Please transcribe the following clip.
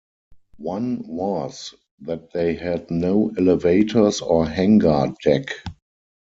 One was that they had no elevators or hangar deck.